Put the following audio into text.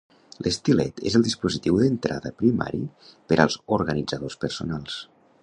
L'estilet és el dispositiu d'entrada primari per als organitzadors personals.